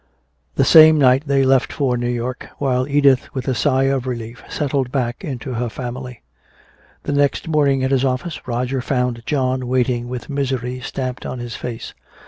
The same night they left for New York, while Edith with a sigh of relief settled back into her family. The next morning at his office Roger found John waiting with misery stamped on his face.